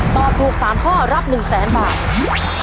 ตอบถูก๓ข้อรับ๑๐๐๐๐๐บาท